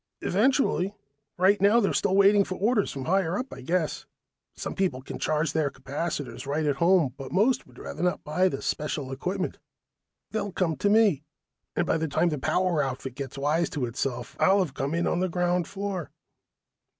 "Eventually. Right now, they're still waiting for orders from higher up, I guess. Some people can charge their capacitors right at home, but most would rather not buy the special equipment. They'll come to me, and by the time the power outfit gets wise to itself, I'll 've come in on the ground floor."